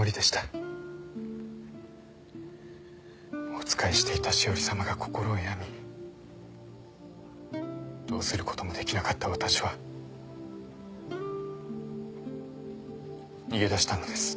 お仕えしていた詩織さまが心を病みどうすることもできなかったわたしは逃げ出したのです。